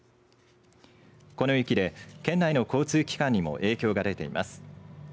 この雪で県内の交通機関にも影響が出ています。